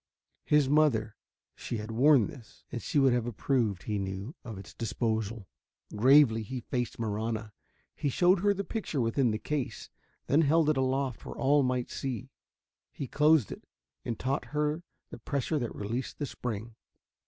His mother she had worn this. And she would have approved, he knew, of its disposal. Gravely he faced Marahna. He showed her the picture within the case, then held it aloft where all might see. He closed it and taught her the pressure that released the spring.